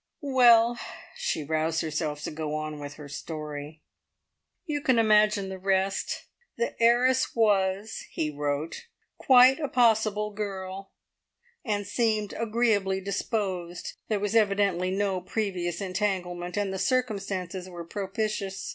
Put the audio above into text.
"Well," she roused herself to go on with her story "you can imagine the rest. `The heiress was,' he wrote, `_quite a possible girl_,' and seemed `_agreeably disposed_'. There was evidently no previous entanglement, and the circumstances were propitious.